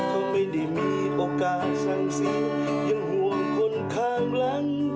เขาไม่ได้มีโอกาสสังศรียังห่วงคนข้างหลัง